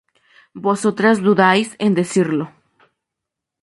vosotras dudáis en decirlo